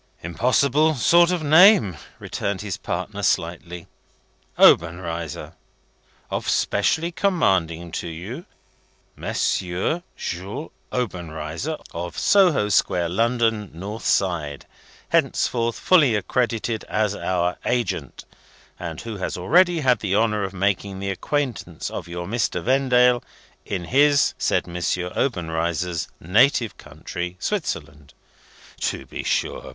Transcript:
"Impossible sort of name," returned his partner, slightly "Obenreizer. ' Of specially commanding to you M. Jules Obenreizer, of Soho Square, London (north side), henceforth fully accredited as our agent, and who has already had the honour of making the acquaintance of your Mr. Vendale, in his (said M. Obenreizer's) native country, Switzerland.' To be sure!